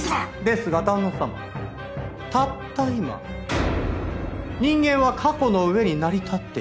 ですが旦那様たった今人間は過去の上に成り立っている。